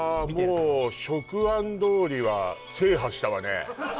もう職安通りは制覇したわね